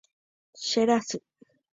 Cherasy.